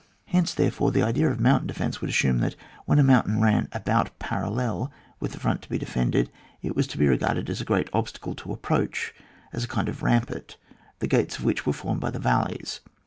Hence, therefore, the idea of mountain defence would assume that, when a mountain ran about parallel with the front to be de fended, it was to be regarded as a g^eat obstacle to approach, as a kind of ram part, the gates of which were formed by the valleys.